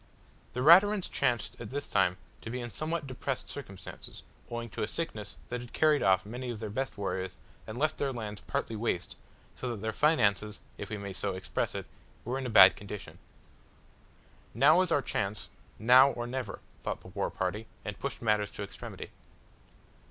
The Raturans chanced at this time to be in somewhat depressed circumstances, owing to a sickness which had carried off many of their best warriors and left their lands partly waste, so that their finances, if we may so express it were in a bad condition. "Now is our chance now or never," thought the war party, and pushed matters to extremity.